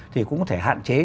thì cũng có thể hạn chế